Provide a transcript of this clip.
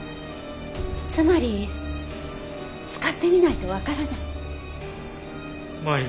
つまり使ってみないとわからない。